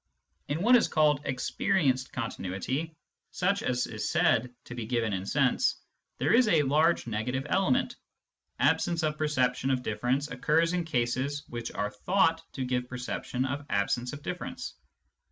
In what is called experienced continuity, such as is said to be given in sense, there is a large negative element : absence of perception of difference occurs in cases which are thought to give perception of absence of diflTerence.